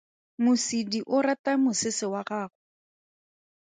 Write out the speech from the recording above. Mosidi o rata mosese wa gago.